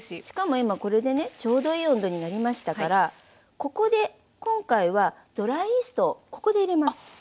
しかも今これでねちょうどいい温度になりましたからここで今回はドライイーストをここで入れます。